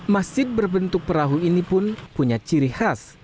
masjid berbentuk perahu ini pun punya ciri khas